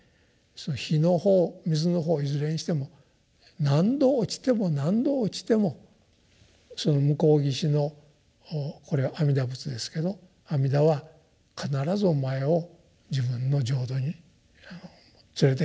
その火の方水の方いずれにしても何度落ちても何度落ちてもその向こう岸のこれは阿弥陀仏ですけど阿弥陀は必ずおまえを自分の浄土に連れてこいと約束しているんですね。